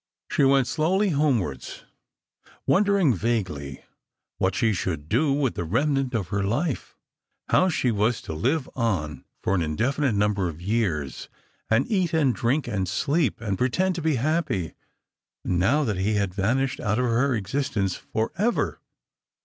She went slowly homewards, wondering vaguely what she should do with the remnant of her life : how she was to live on for an indefinite number of years, and eat and drink and sleep, and pretend to be happy, now that he had vanished out of her existence for ever.